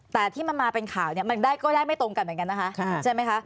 แต่ที่มันมาเป็นข่าวเนี่ยมันก็ได้ไม่ตรงกันเหมือนกันนะคะใช่ไหมคะ